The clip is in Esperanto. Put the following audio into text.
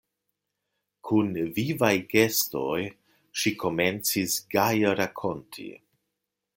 Kun vivaj gestoj ŝi komencis gaje rakonti: